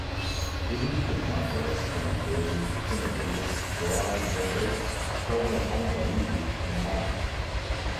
He visited Madras, Pondicherry, Tinnevelly, Goa and Bombay, travelling home by Egypt and Malta.